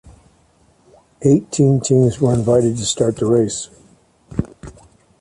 Eighteen teams were invited to start the race.